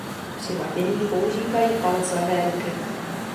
Při ladění používají palec levé ruky.